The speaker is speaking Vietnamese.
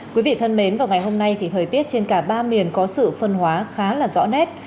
quý vị thân mến vào ngày hôm nay thì thời tiết trên cả ba miền có sự phân hóa khá là rõ nét